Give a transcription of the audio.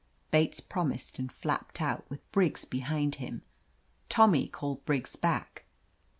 Bates promised and flapped out, with Briggs behind him. Tommy called Briggs back.